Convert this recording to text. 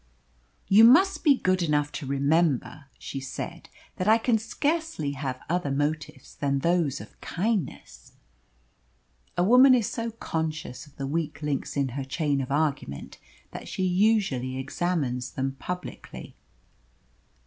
"You must be good enough to remember," she said, "that I can scarcely have other motives than those of kindness." A woman is so conscious of the weak links in her chain of argument, that she usually examines them publicly.